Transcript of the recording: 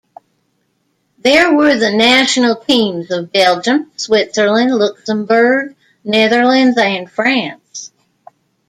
There were the national teams of Belgium, Switzerland, Luxembourg, Netherlands, and France.